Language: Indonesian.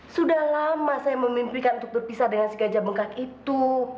sudah lama saya memimpikan untuk berpisah dengan segaja bengkak itu